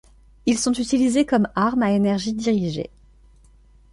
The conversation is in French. Ils sont utilisés comme arme à énergie dirigée.